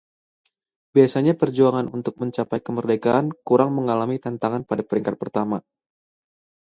biasanya perjuangan untuk mencapai kemerdekaan kurang mengalami tantangan pada peringkat pertama